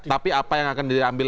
tapi apa yang akan diambil